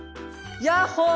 ヤッホー！